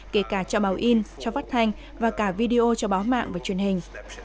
kể cả cho báo in cho phát thanh và cả video cho báo mạng và truyền hình